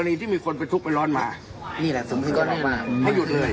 หรือว่าใบบ้านตาม๑๒๐นะครับ